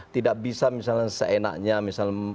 tidak bisa misalnya seenaknya misalnya